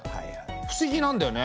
不思議なんだよね。